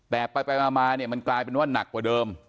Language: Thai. แต่ไปมาเนี่ยมันกลายเป็นว่าหนักกว่าเดิม